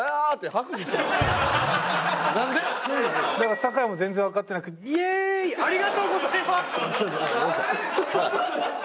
酒井も全然わかってなくて「イエーイ！ありがとうございます」って。ごめんなさい。